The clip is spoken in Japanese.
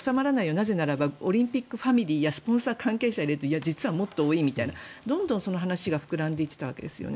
なぜならばオリンピックファミリーやスポンサー関係者を入れると実はもっと多いみたいなどんどんその話が膨らんでいっていたわけですね。